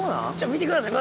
見てください